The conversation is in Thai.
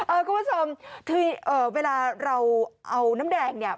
เอ่อกุมมานสมที่เอ่อเวลาเราเอาน้ำแดงเนี้ย